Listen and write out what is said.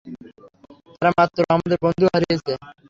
তারা মাত্র তাদের বন্ধুদের হারিয়েছে।